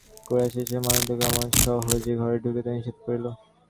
আশা বাড়ির কর্তৃত্ব অনায়াসে গ্রহণ করিয়াছে–সে মহেন্দ্রকে কেমন সহজে ঘরে ঢুকিতে নিষেধ করিল।